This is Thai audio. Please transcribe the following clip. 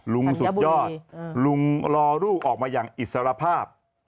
สุดยอดลุงรอลูกออกมาอย่างอิสรภาพ